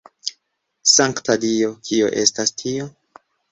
Sankta Dio, kio estas tio?